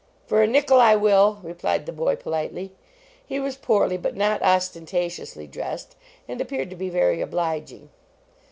"Fur a nickel I will!" replied the boy, politely. He was poorly, but not ostenta 108 JONAS tiously dressed, and appeared to be very obliging.